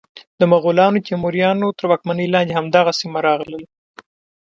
د مغولانو، تیموریانو تر واکمنۍ لاندې هم دا سیمه راغله.